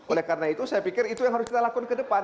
oleh karena itu saya pikir itu yang harus kita lakukan ke depan